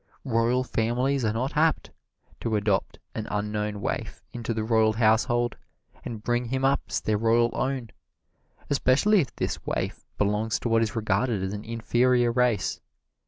Royal families are not apt to adopt an unknown waif into the royal household and bring him up as their royal own, especially if this waif belongs to what is regarded as an inferior race.